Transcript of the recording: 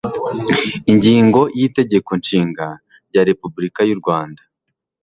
ingingo y'itegeko nshinga rya republika y'u rwanda